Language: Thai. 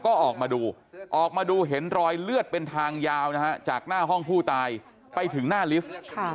ก็ออกมาดูออกมาดูเห็นรอยเลือดเป็นทางยาวนะฮะจากหน้าห้องผู้ตายไปถึงหน้าลิฟท์